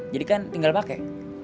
jadi kan tinggal pake